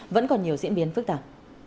vẫn còn nhiều diễn biến phức tạp